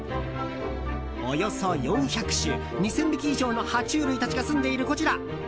およそ４００種２０００匹以上の爬虫類たちが住んでいるこちら。